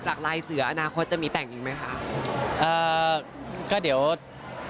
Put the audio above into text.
จากลายเสืออนาคตจะมีแต่งอยู่ไหมคะ